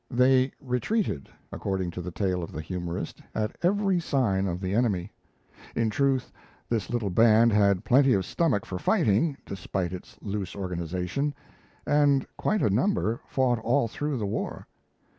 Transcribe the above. They retreated, according to the tale of the humorist, at every sign of the enemy. In truth, this little band had plenty of stomach for fighting, despite its loose organization; and quite a number fought all through the war.